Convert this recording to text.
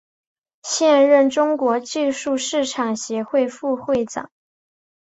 现任中国技术市场协会副会长。